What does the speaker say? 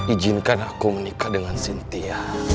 ijinkan aku menikah dengan sintia